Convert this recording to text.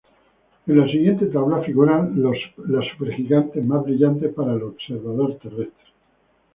En la siguiente tabla figuran las supergigantes más brillantes para el observador terrestre.